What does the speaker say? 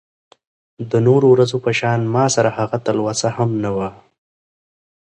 د نورو ورځو په شان ماسره هغه تلوسه هم نه وه .